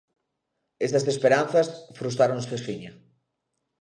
Esas esperanzas frustráronse axiña.